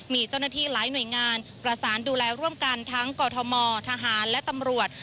มีเจ้าหน้าที่หลายหน่วยงานประสานดูแลร่วมกันทั้งกรทมทหารและตำรวจ